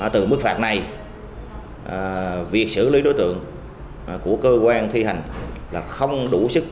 từ mức phạt này việc xử lý đối tượng của cơ quan thi hành là không đủ sức